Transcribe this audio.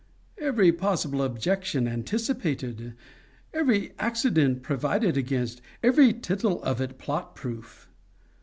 Every possible objection anticipated! Every accident provided against! Every tittle of it plot proof!